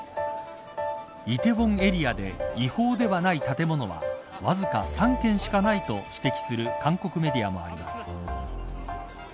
梨泰院エリアで違法ではない建物はわずか３軒しかないと指摘する韓国メディアもあります。